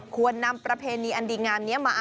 ควรนำประเพณีอันดีงามเนี้ยมาอนุรักษ์ไว้